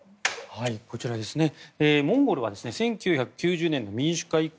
モンゴルは１９９０年の民主化以降